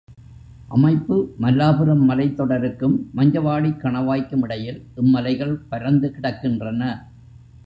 அமைப்பு மல்லாபுரம் மலைத்தொடருக்கும் மஞ்சவாடிக் கணவாய்க்கும் இடையில் இம்மலைகள் பரந்து கிடக்கின்றன.